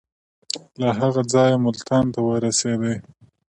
له هغه ځایه ملتان ته ورسېدی.